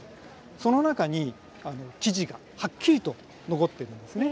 その中に記事がはっきりと残ってるんですね。